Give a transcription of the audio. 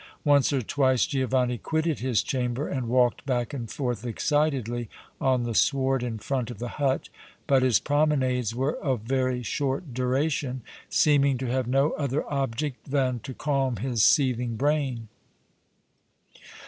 Once or twice Giovanni quitted his chamber and walked back and forth excitedly on the sward in front of the hut, but his promenades were of very short duration, seeming to have no other object then to calm his seething brain.